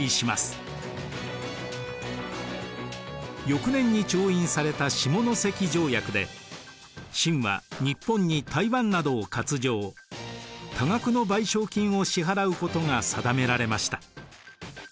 翌年に調印された下関条約で清は日本に台湾などを割譲多額の賠償金を支払うことが定められました。